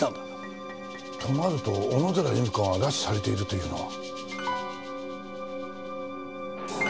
となると小野寺由美子が拉致されているというのは。